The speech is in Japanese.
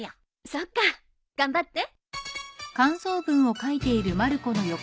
そっか頑張って。